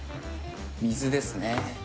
水ですね。